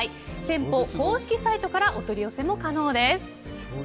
店舗公式サイトからお取り寄せも可能です。